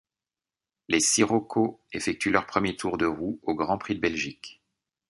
Les Scirocco effectuent leurs premiers tours de roues au Grand Prix de Belgique.